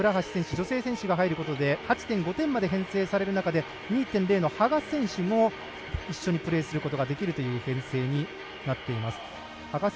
女性の選手が入る中で８．５点まで編成される中で２．０の羽賀選手も一緒にプレーできるという編成になっています。